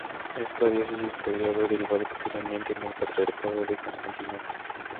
Esta diócesis podría haber derivado posteriormente en el patriarcado de Constantinopla.